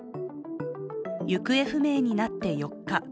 行方不明になって４日。